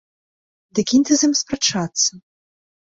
Ды кінь ты з ім спрачацца.